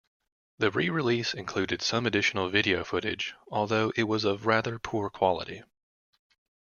The re-release included some additional video footage, although it was of rather poor quality.